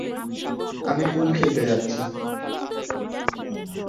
আমি পুল খেলতে যাচ্ছি!